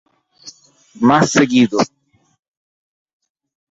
Más seguido.